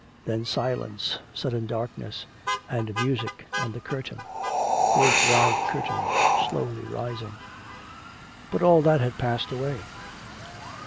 Then silence, sudden darkness and music, and the curtain. The great wide curtain slowly rising.... But all that had passed away.